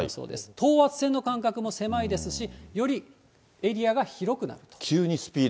等圧線の間隔も狭いですし、よりエリアが広くなると。